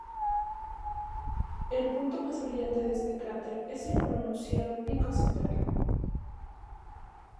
El punto más brillante de este cráter es el pronunciado pico central.